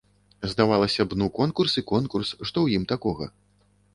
Здавалася б, ну конкурс і конкурс, што ў ім такога.